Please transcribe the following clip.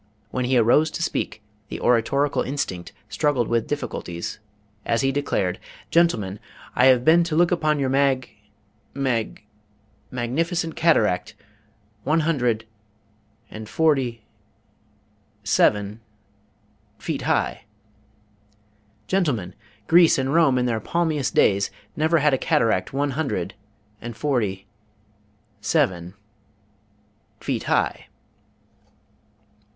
When he arose to speak, the oratorical instinct struggled with difficulties, as he declared, 'Gentlemen, I have been to look upon your mag mag magnificent cataract, one hundred and forty seven feet high! Gentlemen, Greece and Rome in their palmiest days never had a cataract one hundred and forty seven feet high!'"